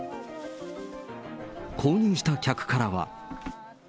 購入した客からは。